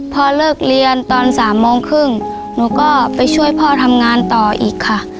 พอเลิกเรียนตอน๓โมงครึ่งหนูก็ไปช่วยพ่อทำงานต่ออีกค่ะ